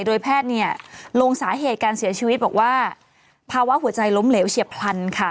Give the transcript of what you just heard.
โดยแพทย์เนี่ยลงสาเหตุการเสียชีวิตบอกว่าภาวะหัวใจล้มเหลวเฉียบพลันค่ะ